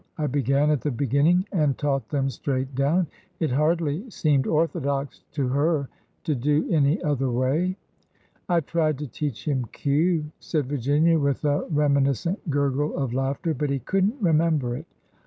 I began at the beginning and taught them straight down." It hardly seemed orthodox to her to do any other way. I tried to teach him Q," said Virginia, with a remi niscent gurgle of laughter ;" but he could n't remember it.